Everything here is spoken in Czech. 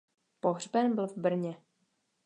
Pohřben byl v Brně.